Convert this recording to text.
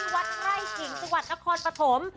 ที่วัดไตร่หญิงสวัสดีครับคนปฐม